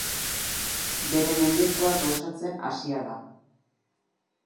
Bere mendekua gauzatzen hasia da.